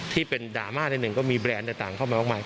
ที่เป็นดราม่าในหนึ่งก็มีแบรนด์แต่ต่างเข้ามามากมาย